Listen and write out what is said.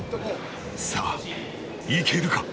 さあいけるか？